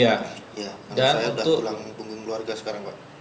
ya saya ada tulang punggung keluarga sekarang pak